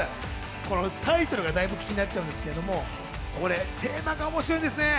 このタイトルがだいぶ気になっちゃうんですけど、これテーマが面白いんですね。